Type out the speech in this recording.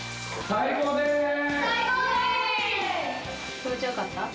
気持ち良かった？